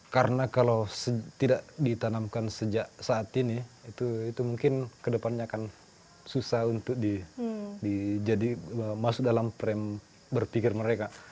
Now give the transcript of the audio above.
karena kalau tidak ditanamkan sejak saat ini mungkin ke depannya akan susah untuk masuk dalam frame berpikir mereka